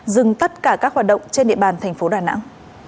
dừng tất cả các hoạt động trên địa bàn thành phố đà nẵng